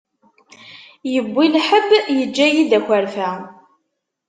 Yewwi lḥebb, yeǧǧa-yi-d akerfa.